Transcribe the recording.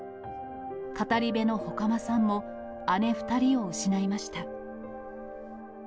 語り部の外間さんも、姉２人を失いました。